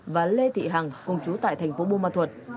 và lê thị hằng cùng chú tại thành phố buôn ma thuật